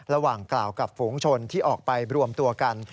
กล่าวกับฝูงชนที่ออกไปรวมตัวกัน